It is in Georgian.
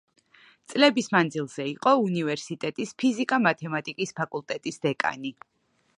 წლების მანძილზე იყო უნივერსიტეტის ფიზიკა-მათემატიკის ფაკულტეტის დეკანი.